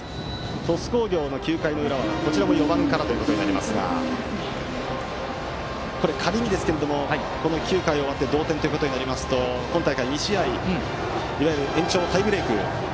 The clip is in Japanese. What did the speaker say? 鳥栖工業の９回の裏はこちらも４番からとなりますが仮にですが、９回を終わって同点となりますと今大会２試合行われたいわゆる延長タイブレーク。